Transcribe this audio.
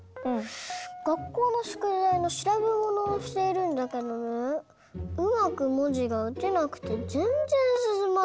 がっこうのしゅくだいのしらべものをしているんだけどねうまくもじがうてなくてぜんぜんすすまないんだよ。